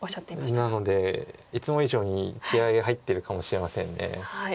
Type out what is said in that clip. なのでいつも以上に気合い入ってるかもしれません。